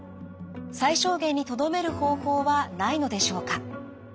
最小限にとどめる方法はないのでしょうか。